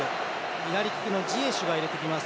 左利きのジエシュが入れてきます。